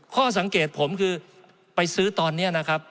ข้อสังเกตผมคือไปซื้อตอนนี้นะครับ